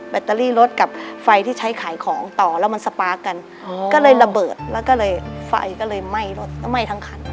ตเตอรี่รถกับไฟที่ใช้ขายของต่อแล้วมันสปาร์คกันก็เลยระเบิดแล้วก็เลยไฟก็เลยไหม้รถไหม้ทั้งคัน